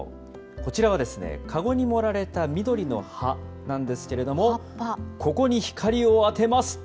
こちらは、籠に盛られた緑の葉なんですけれども、ここに光を当てますと。